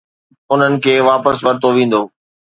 انهن کي واپس ورتو ويندو.